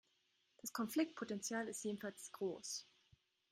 Das Konfliktpotenzial ist jedenfalls groß.